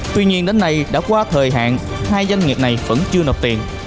tuy nhiên đến nay đã qua thời hạn hai doanh nghiệp này vẫn chưa nộp tiền